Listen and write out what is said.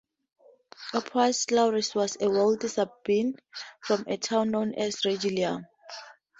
Appius Claudius was a wealthy Sabine from a town known as "Regillum".